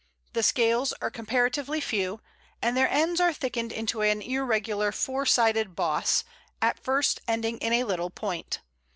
The scales are comparatively few, and their ends are thickened into an irregular four sided boss, at first ending in a little point.